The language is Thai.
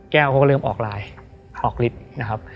แก้วเขาก็เริ่มออกรายออกฤทธิ์นะครับ